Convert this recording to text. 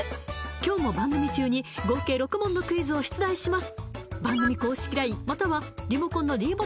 今日も番組中に合計６問のクイズを出題します